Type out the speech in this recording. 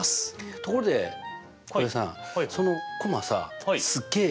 ところで浩平さんそのコマさすっげえ